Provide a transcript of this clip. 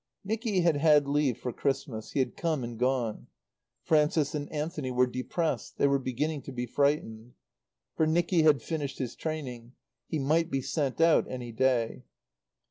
Nicky had had leave for Christmas. He had come and gone. Frances and Anthony were depressed; they were beginning to be frightened. For Nicky had finished his training. He might be sent out any day.